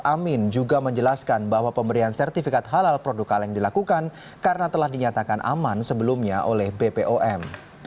amin juga menjelaskan bahwa pemberian sertifikat halal produk kaleng dilakukan karena telah dinyatakan aman sebelumnya oleh bpom